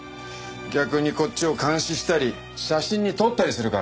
逆にこっちを監視したり写真に撮ったりするからね。